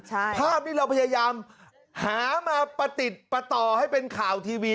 ใช่ภาพนี้เราพยายามหามาประติดประต่อให้เป็นข่าวทีวี